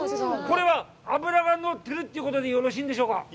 これは、脂が乗ってるということでよろしいんでしょうか。